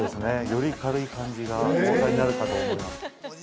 ◆より軽い感じがお分かりになると思います。